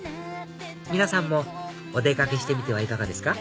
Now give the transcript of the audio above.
皆さんもお出掛けしてみてはいかがですか？